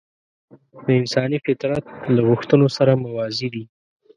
د انساني فطرت له غوښتنو سره موازي دي.